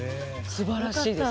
すばらしいです。